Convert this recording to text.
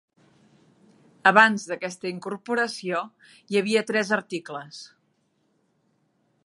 Abans d'aquesta incorporació hi havia tres articles.